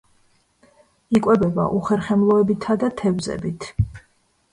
იკვებება უხერხემლოებითა და თევზებით.